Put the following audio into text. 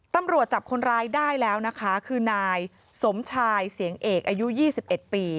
ตำรวจจับคนร้ายได้แล้วนะคะคือนายสมชายเสียงเอกอายุ๒๑ปี